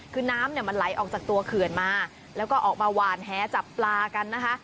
คือน้ำเนี่ยมันไหลออกจากตัวเขื่อนมาแล้วก็ออกมาหวานแหจับปลากันนะคะ